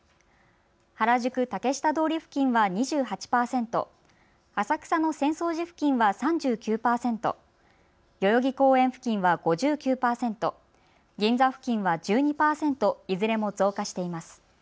原宿竹下通り付近は２８％、浅草の浅草寺付近は３９％、代々木公園付近は５９％、銀座付近は１２％、いずれも増加しています。